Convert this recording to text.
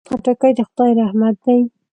خټکی د خدای رحمت دی.